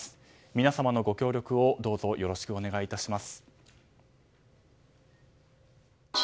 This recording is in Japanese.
皆様のご協力をどうぞよろしくお願いいたします。